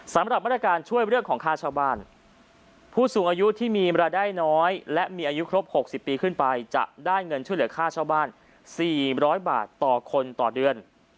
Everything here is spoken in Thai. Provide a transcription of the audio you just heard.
สำหรับมาตรการช่วยเรื่องของค่าเช่าบ้านผู้สูงอายุที่มีรายได้น้อยและมีอายุครบ๖๐ปีขึ้นไปจะได้เงินช่วยเหลือค่าเช่าบ้าน๔๐๐บาทต่อคนต่อเดือน